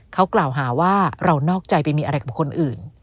เขากล่าวหาว่าเรานอกใจไปมีอะไรกับคนอื่น